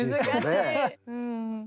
うん。